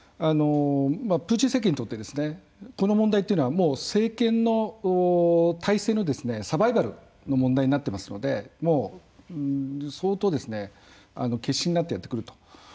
プーチン政権にとってこの問題というのはもう政権の体制のサバイバルの問題になっていますのでもう、相当必死になってやってくると。